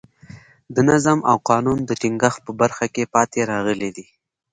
د نظم او قانون د ټینګښت په برخه کې پاتې راغلي دي.